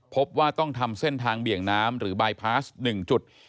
พบว่าต้องทำเส้นทางเบี่ยงน้ำหรือบายพาส๑จุด